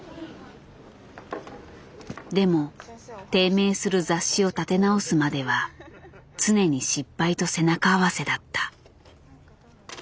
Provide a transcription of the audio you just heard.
でも低迷する雑誌を立て直すまでは常に失敗と背中合わせだった。